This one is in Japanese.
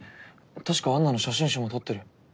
確か安奈の写真集も撮ってる。